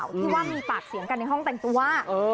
ที่ว่ามีปากเสียงกันในห้องแต่งตัว